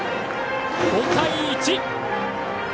５対１！